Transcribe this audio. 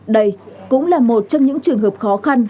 đây cũng là một trong những trường hợp khó khăn